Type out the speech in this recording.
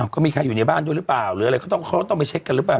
ก็มีใครอยู่ในบ้านด้วยหรือเปล่าเขาต้องไปเช็คกันหรือเปล่า